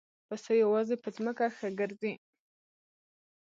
پسه یوازې په ځمکه ښه ګرځي.